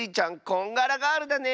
こんがらガールだね！